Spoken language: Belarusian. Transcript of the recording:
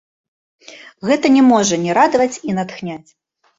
Гэта не можа не радаваць і натхняць!